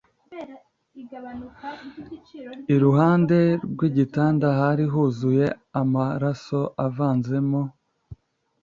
iruhande rwigitanda hari huzuye amaraso avanzemo